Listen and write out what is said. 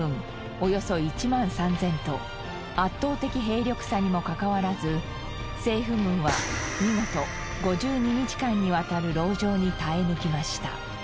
およそ１万３０００と圧倒的兵力差にもかかわらず政府軍は見事５２日間にわたる籠城に耐え抜きました。